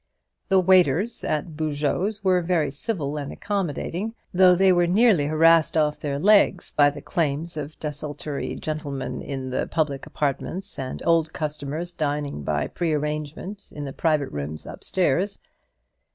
The waiters at Boujeot's were very civil and accommodating, though they were nearly harassed off their legs by the claims of desultory gentlemen in the public apartments, and old customers dining by pre arrangement in the private rooms up stairs.